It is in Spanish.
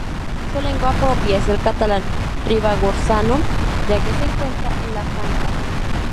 Su lengua propia es el catalán ribagorzano, ya que se encuentra en la Franja.